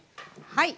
はい。